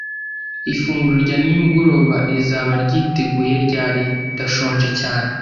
Ifunguro rya nimugoroba rizaba ryiteguye ryari? Ndashonje cyane.